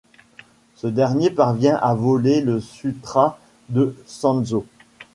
Ce dernier parvient à voler le sutra de Sanzo.